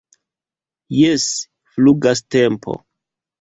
Jes, flugas tempo